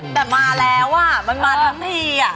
แต่มาแล้วอ่ะมันมาทั้งทีอ่ะ